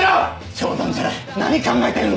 冗談じゃない何考えてるんだ！